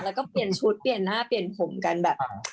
แล้วก็เปลี่ยนชุดเปลี่ยนหน้าเปลี่ยนผมกันแบบ